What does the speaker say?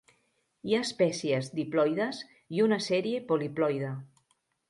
Hi ha espècies diploides i una sèrie poliploide.